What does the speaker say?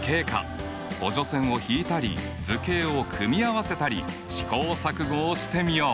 補助線を引いたり図形を組み合わせたり試行錯誤をしてみよう。